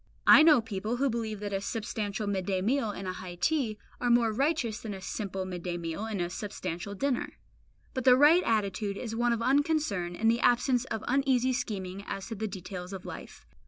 I know people who believe that a substantial midday meal and a high tea are more righteous than a simple midday meal and a substantial dinner. But the right attitude is one of unconcern and the absence of uneasy scheming as to the details of life.